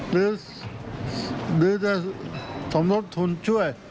หรือจะสมรสทุนช่วย